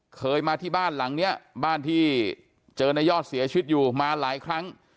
เคยมาที่บ้านหลังนี้บ้านที่เจอในยอดเสียชีวิตอยู่มาหลายครั้ง